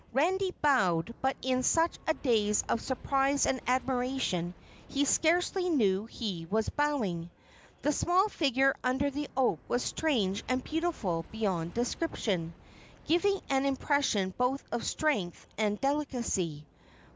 Randy bowed, but in such a daze of surprise and admiration he scarcely knew he was bowing. The small figure under the oak was strange and beautiful beyond description, giving an impression both of strength and delicacy.